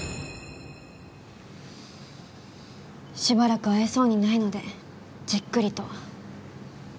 しばらく会えそうにないのでじっくりと。